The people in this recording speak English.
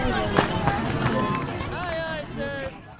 and "Aye, aye, sir!"